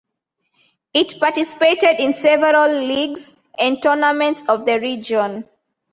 It participated in several leagues and tournaments of the region.